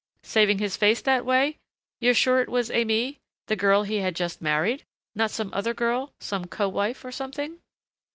Saving his face that way? You're sure it was Aimée the girl he had just married? Not some other girl some co wife or something?"